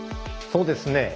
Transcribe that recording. そうですね。